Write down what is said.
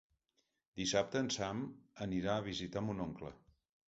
Dissabte en Sam anirà a visitar mon oncle.